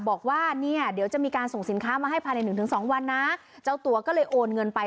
บอกว่าเนี่ยเดี๋ยวจะมีการส่งสินค้ามาให้ภายในหนึ่งถึงสองวันนะเจ้าตัวก็เลยโอนเงินไป